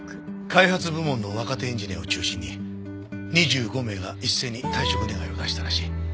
開発部門の若手エンジニアを中心に２５名が一斉に退職願を出したらしい。